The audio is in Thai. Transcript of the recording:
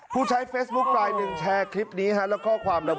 ผู้ใช้เฟซบุ๊คไลน์หนึ่งแชร์คลิปนี้แล้วข้อความระบุ